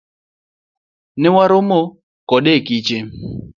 Newaromo kode e kiche.